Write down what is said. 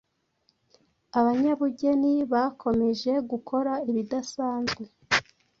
Abanyabugeni bakomeje gukora ibidasanzwe